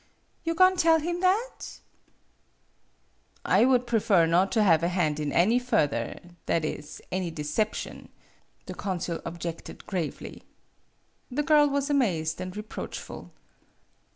You go'n' tell him that?" > MADAME BUTTERFLY 61 "I would prefer not to have a hand in any further that is, any deception," the consul objected gravely. The girl was amazed 'and reproachful.